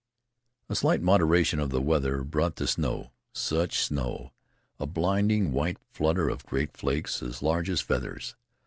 A slight moderation of the weather brought the snow. Such snow! A blinding white flutter of grey flakes, as large as feathers!